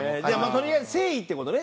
とりあえず誠意って事ね。